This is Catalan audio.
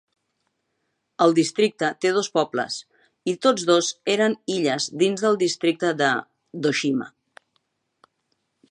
El districte té dos pobles i tots dos eren illes dins el districte de d'Oshima.